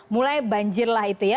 mulai banjirlah itu ya